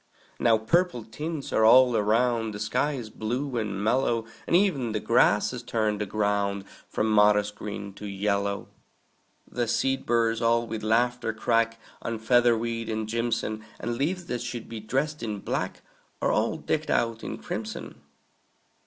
Now purple tints are all around; The sky is blue and mellow; And e'en the grasses turn the ground From modest green to yellow. The seed burrs all with laughter crack On featherweed and jimson; And leaves that should be dressed in black Are all decked out in crimson.